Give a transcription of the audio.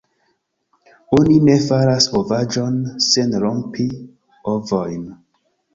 Oni ne faras ovaĵon sen rompi ovojn!